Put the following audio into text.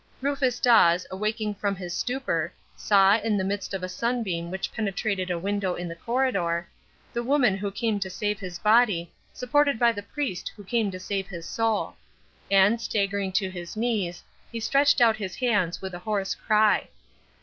Rufus Dawes, awaking from his stupor, saw, in the midst of a sunbeam which penetrated a window in the corridor, the woman who came to save his body supported by the priest who came to save his soul; and staggering to his knees, he stretched out his hands with a hoarse cry.